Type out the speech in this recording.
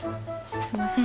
すんません